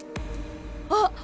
あっ！